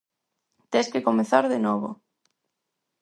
Tes que comezar de novo.